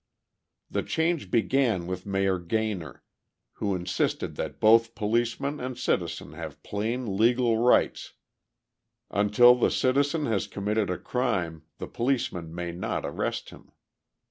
The change began with Mayor Gaynor, who insisted that both policeman and citizen have plain legal rights—until the citizen has committed a crime the policeman may not arrest him.